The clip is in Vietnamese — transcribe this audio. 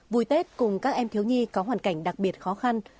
vui tết cùng các em thiếu nhi có hoàn cảnh đặc biệt khó khăn